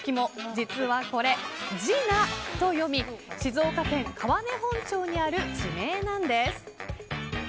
実はこれ、じなと読み静岡県川根本町にある地名なんです。